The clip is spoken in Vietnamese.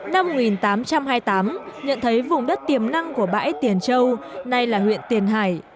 năm một nghìn tám trăm hai mươi tám nhận thấy vùng đất tiềm năng của bãi tiền châu nay là huyện tiền hải